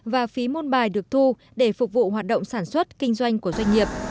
và phí môn bài được thu để phục vụ hoạt động sản xuất kinh doanh của doanh nghiệp